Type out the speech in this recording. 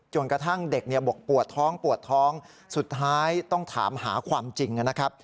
กระทั่งเด็กบอกปวดท้องปวดท้องสุดท้ายต้องถามหาความจริงนะครับ